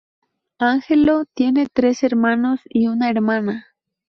Angelo tiene tres hermanos y una hermana.